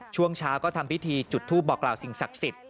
ช่วงเช้าก็ทำพิธีจุดทูปบอกกล่าวสิ่งศักดิ์สิทธิ